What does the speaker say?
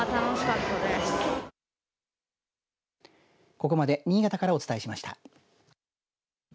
ここまで新潟からお伝えしました。